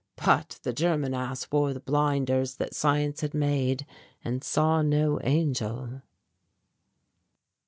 But the German ass wore the blinders that science had made and saw no angel.